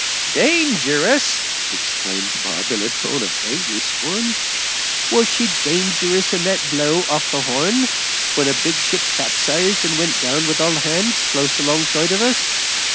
"Dangerous!" exclaimed Bob, in a tone of angry scorn. "Was she dangerous in that blow off the Horn, when a big ship capsized and went down with all hands, close alongside of us?